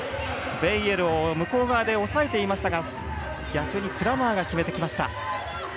ベイエルを向こう側で抑えていましたがクラーマーが決めてきました。